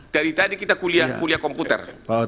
dari tadi kita kuliah komputer